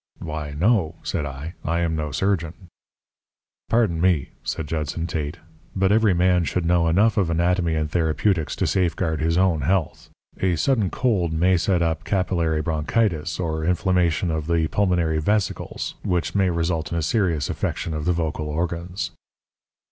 "Why, no," said I, "I am no surgeon." "Pardon me," said Judson Tate, "but every man should know enough of anatomy and therapeutics to safeguard his own health. A sudden cold may set up capillary bronchitis or inflammation of the pulmonary vesicles, which may result in a serious affection of the vocal organs."